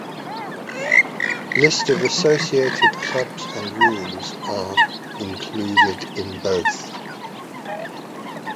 List of Associated Clubs and Rules are includes in both.